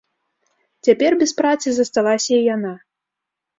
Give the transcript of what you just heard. Цяпер без працы засталася і яна.